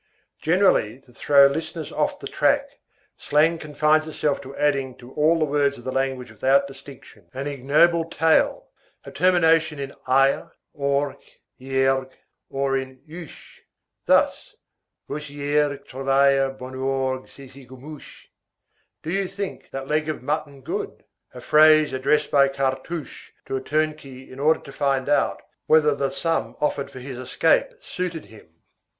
Generally, to throw listeners off the track, slang confines itself to adding to all the words of the language without distinction, an ignoble tail, a termination in aille, in orgue, in iergue, or in uche. Thus: Vousiergue trouvaille bonorgue ce gigotmuche? Do you think that leg of mutton good? A phrase addressed by Cartouche to a turnkey in order to find out whether the sum offered for his escape suited him.